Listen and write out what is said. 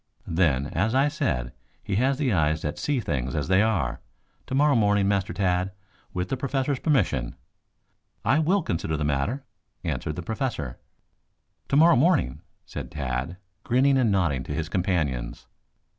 Then, as I said, he has the eyes that see things as they are. Tomorrow morning, Master Tad, with the Professor's permission " "I will consider the matter," answered the Professor. "Tomorrow morning," said Tad, grinning and nodding to his companions.